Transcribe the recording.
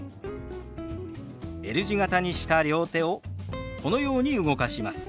Ｌ字形にした両手をこのように動かします。